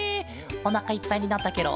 おなかいっぱいになったケロ？